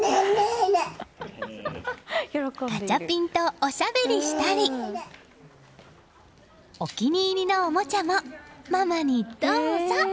ガチャピンとおしゃべりしたりお気に入りのおもちゃもママにどうぞ！